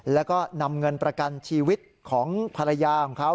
แล้วก็นำเงินประกันชีวิตของภรรยาของเขา